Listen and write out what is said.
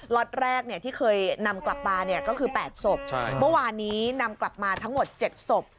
ล็อตแรกที่เคยนำกลับมาก็คือ๘ศพเมื่อวานนี้นำกลับมาทั้งหมด๗ศพ